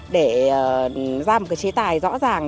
để ra một chế tài rõ ràng